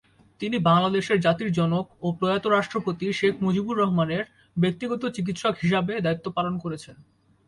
তিনি বাংলাদেশের জাতির জনক ও প্রয়াত রাষ্ট্রপতি শেখ মুজিবুর রহমানের ব্যক্তিগত চিকিৎসক হিসাবে দায়িত্ব পালন করেছেন।